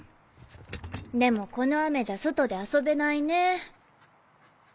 でもこの雨じゃ外で遊べないね。